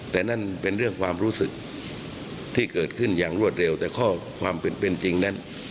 แต่นั่นเป็นเรื่องความรู้สึกที่เกิดขึ้นอย่างรวดเร็วแต่ข้อความเป็นจริงนั้น